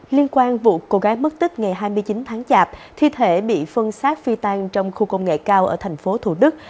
liên quan vụ cô gái mất tích ngày hai mươi chín tháng chạp thi thể bị phân xác phi tan trong khu công nghệ cao ở thành phố thủ đức